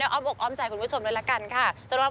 หืมหล่อเลย